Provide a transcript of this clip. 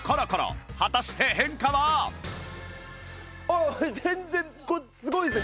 あっ全然すごいです。